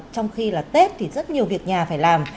trong khi là tết thì rất nhiều việc nhà phải làm